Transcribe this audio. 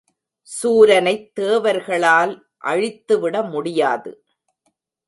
சூரனைத் தேவர்களால் அழித்துவிட முடியாது.